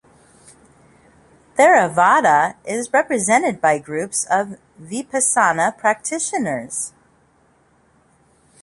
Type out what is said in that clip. Theravada is represented by groups of vipassana practitioners.